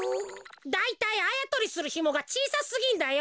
だいたいあやとりするひもがちいさすぎんだよ。